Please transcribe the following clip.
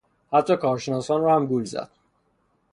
حتی کارشناسان را هم گول زد.